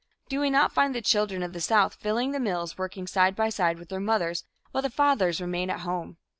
Do we not find the children of the South filling the mills, working side by side with their mothers, while the fathers remain at home?